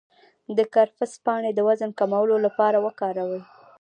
د کرفس پاڼې د وزن د کمولو لپاره وکاروئ